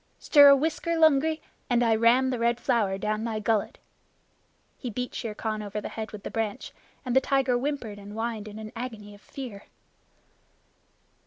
Stir a whisker, Lungri, and I ram the Red Flower down thy gullet!" He beat Shere Khan over the head with the branch, and the tiger whimpered and whined in an agony of fear.